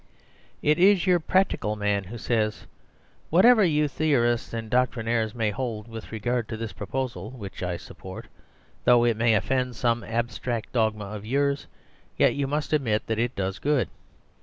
It is your " Practical Man " who says :" Whatever you theorists and doctrinaires may hold with regard to this proposal (which I support),though it may offend some abstractdogmaofyours, yet*/nz/zV you must admit that it does good.